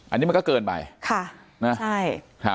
อันนี้มันก็เกินไป